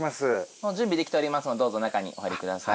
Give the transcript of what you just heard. もう準備できておりますのでどうぞ中にお入り下さい。